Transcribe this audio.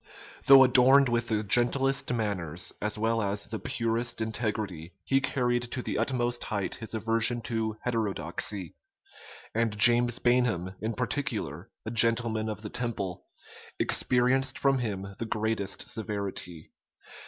Though adorned with the gentlest manners, as well as the purest integrity, he carried to the utmost height his aversion to heterodoxy; and James Bainham, in particular, a gentleman of the Temple, experienced from him the greatest severity.